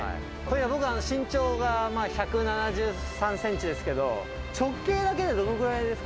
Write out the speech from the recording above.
僕、身長が１７３センチですけど、直径だけでどのくらいですか？